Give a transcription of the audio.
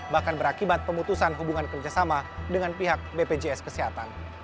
bahkan berakibat pemutusan hubungan kerjasama dengan pihak bpjs kesehatan